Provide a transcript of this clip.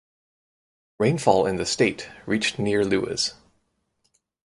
Rainfall in the state reached near Lewes.